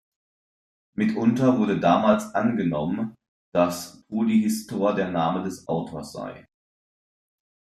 Mitunter wurde damals angenommen, dass Polyhistor der Name des Autors sei.